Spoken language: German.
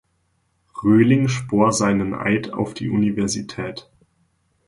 Röhling schwor seinen Eid auf die Universität.